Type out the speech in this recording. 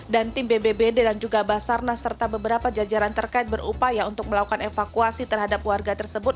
tim bbbd dan juga basarnas serta beberapa jajaran terkait berupaya untuk melakukan evakuasi terhadap warga tersebut